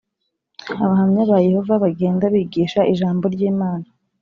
Abahamya ba yehova bagenda bigisha ijambo ry’Imana